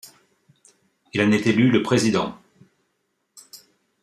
Il en est élu le Président.